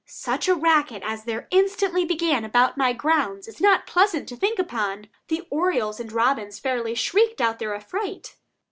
Such a racket as there instantly began about my grounds is not pleasant to think upon! The orioles and robins fairly "shrieked out their affright."